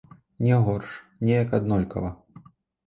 Не горш, неяк аднолькава.